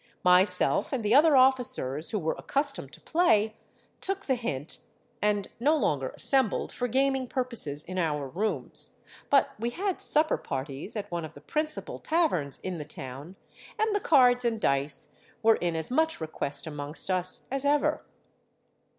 Myself and the other officers who were accustomed to play, took the hint, and no longer assembled for gaming purposes in our rooms; but we had supper parties at one of the principal taverns in the town, and the cards and dice were in as much request amongst us as ever.